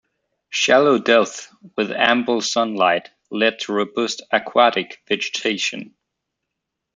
Shallow depths with ample sunlight lead to robust aquatic vegetation.